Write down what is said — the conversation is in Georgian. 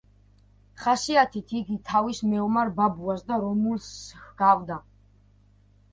ხასიათით იგი თავის მეომარ ბაბუას და რომულუსს ჰგავდა.